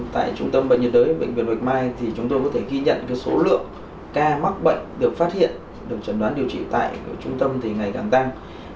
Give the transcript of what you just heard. tại trung tâm bệnh nhiệt đới bệnh viện bạch mai thì chúng tôi có thể ghi nhận số lượng ca mắc bệnh được phát hiện được chẩn đoán điều trị tại trung tâm thì ngày càng tăng